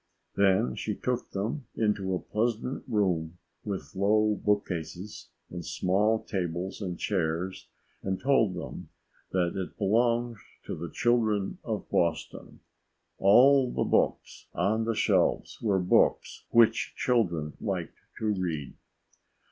Then she took them into a pleasant room with low bookcases and small tables and chairs and told them that it belonged to the children of Boston. All the books on the shelves were books which children liked to read.